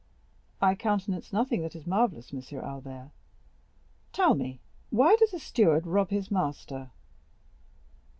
"I countenance nothing that is marvellous, M. Albert. Tell me, why does a steward rob his master?"